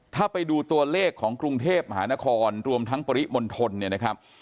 ถ้าไปดูตัวเลขของกรุงเทพมหานครรวมทั้งปริมณฑลเนี่ยนะครับ